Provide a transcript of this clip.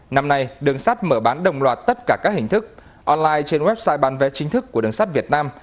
năm nay đường sắt mở bán đồng loạt tất cả các hình thức online trên website bán vé chính thức của đường sắt việt nam